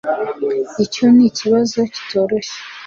icyo nikibazo kitoroshye